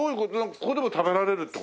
ここでも食べられるって事？